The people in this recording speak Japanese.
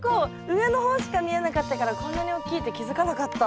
上の方しか見えなかったからこんなに大きいって気付かなかった。